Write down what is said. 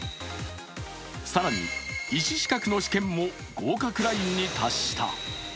更に医師資格の試験も合格ラインに達した。